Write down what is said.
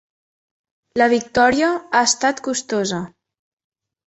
La victòria ha estat costosa.